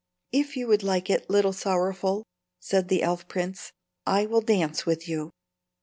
"If you would like it, Little Sorrowful," said the elf prince, "I will dance with you."